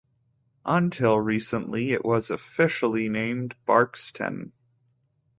Until recently it was officially named Barkston.